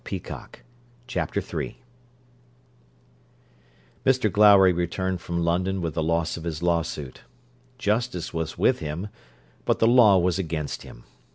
CHAPTER III Mr Glowry returned from London with the loss of his lawsuit. Justice was with him, but the law was against him.